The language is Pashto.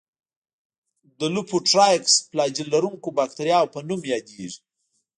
د لوفوټرایکس فلاجیل لرونکو باکتریاوو په نوم یادیږي.